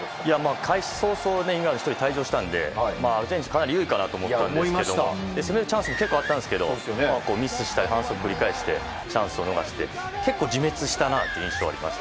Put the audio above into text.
開始早々、イングランドが１人退場したのでアルゼンチンはかなり優位かと思ったんですが攻めるチャンスも結構あったんですけどそのあとミスしたり反則を繰り返してチャンスを逃して結構自滅したなという印象があります。